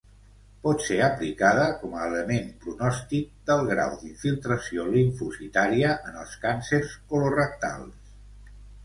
Pot ser aplicada com a element pronòstic del grau d'infiltració limfocitària en els càncers colorectals.